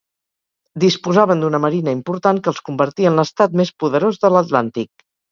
Disposaven d'una marina important que els convertí en l'estat més poderós de l'Atlàntic.